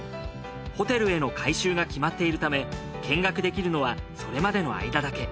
ホテルへの改修が決まっているため見学できるのはそれまでの間だけ。